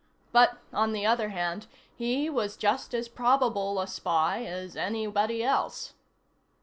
But, on the other hand, he was just as probable a spy as anybody else.